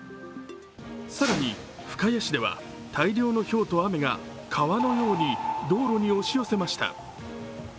更に深谷市では大量のひょうと雨が川のように道路に押し寄せました。